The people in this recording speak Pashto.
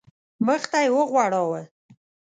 مخ ته یې وغوړاوه.